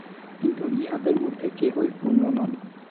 কিন্তু ইঁহাদের মধ্যে কেহই পূর্ণ নন।